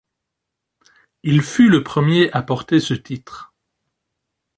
Il fut le premier à porter ce titre.